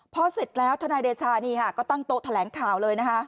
พอเสร็จแล้วทนายเดชานี่ค่ะก็ตั้งโต๊ะแถลงข่าวเลยนะคะ